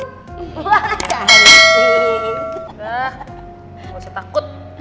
gak usah takut